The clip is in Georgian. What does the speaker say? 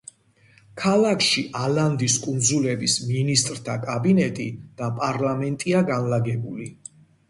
ქალაქში ალანდის კუნძულების მინისტრთა კაბინეტი და პარლამენტია განლაგებული.